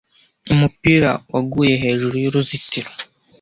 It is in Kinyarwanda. umupira waguye hejuru yuruzitiro